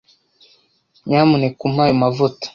Nyamuneka umpe ayo mavuta.